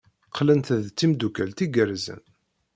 Qqlent d timeddukal igerrzen.